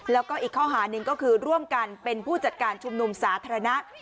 แล้วก็อีกข้อหาหนึ่งก็คือร่วมกันเป็นผู้จัดการชุมนุมสาธารณะ